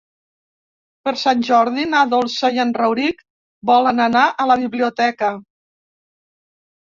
Per Sant Jordi na Dolça i en Rauric volen anar a la biblioteca.